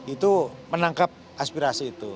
itu menangkap aspirasi itu